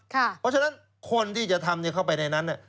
เพราะฉะนั้นคนที่จะทำเข้าไปในนั้น